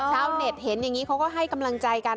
ชาวเน็ตเห็นอย่างนี้เขาก็ให้กำลังใจกัน